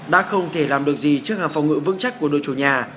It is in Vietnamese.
đã không thể làm được gì trước là phòng ngự vững chắc của đội chủ nhà